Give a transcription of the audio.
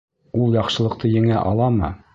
Ул яҡшылыҡты еңә аламы?